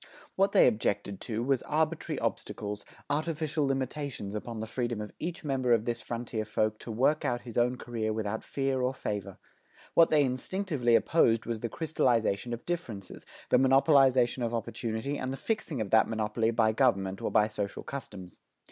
What they objected to was arbitrary obstacles, artificial limitations upon the freedom of each member of this frontier folk to work out his own career without fear or favor. What they instinctively opposed was the crystallization of differences, the monopolization of opportunity and the fixing of that monopoly by government or by social customs.